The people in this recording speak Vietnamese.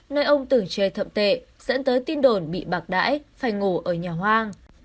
nơi ông tưởng chê thậm tệ dẫn tới tin đồn bị bạc đãi phải ngủ ở nhà hoang